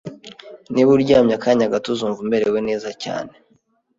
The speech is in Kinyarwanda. Niba uryamye akanya gato, uzumva umerewe neza cyane